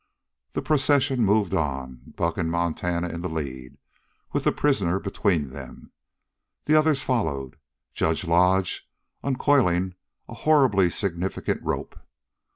The procession moved on, Buck and Montana in the lead, with the prisoner between them. The others followed, Judge Lodge uncoiling a horribly significant rope.